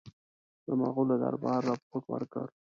د مغولو دربار رپوټ ورکړ.